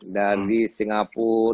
dan di singapura